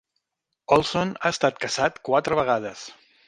Olson ha estat casat quatre vegades.